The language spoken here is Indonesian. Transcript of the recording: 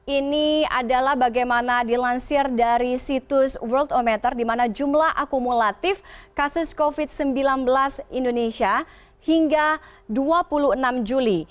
ini adalah bagaimana dilansir dari situs world ometer di mana jumlah akumulatif kasus covid sembilan belas indonesia hingga dua puluh enam juli